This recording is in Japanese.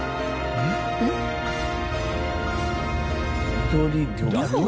「みどり寮」。